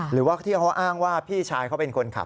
หรือว่าที่เขาอ้างว่าพี่ชายเขาเป็นคนขับ